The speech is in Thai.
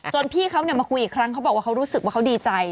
พี่เขามาคุยอีกครั้งเขาบอกว่าเขารู้สึกว่าเขาดีใจ